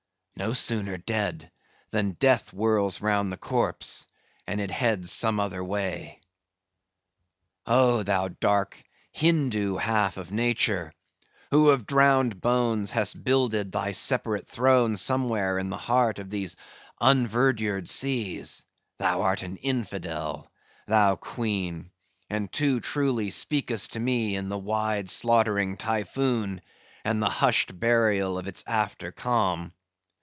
no sooner dead, than death whirls round the corpse, and it heads some other way. "Oh, thou dark Hindoo half of nature, who of drowned bones hast builded thy separate throne somewhere in the heart of these unverdured seas; thou art an infidel, thou queen, and too truly speakest to me in the wide slaughtering Typhoon, and the hushed burial of its after calm.